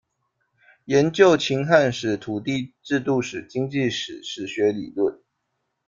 研究秦汉史、土地制度史、经济史、史学理论。